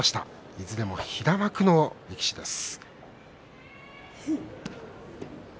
いずれも平幕の力士です。